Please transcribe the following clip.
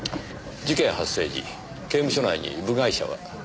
事件発生時刑務所内に部外者は？